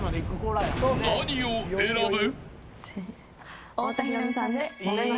何を選ぶ。